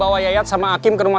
waktu kalau kamu akan menéchipu